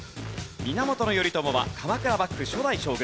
源頼朝は鎌倉幕府初代将軍。